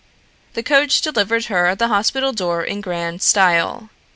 The coach delivered her at the hospital door in grand style.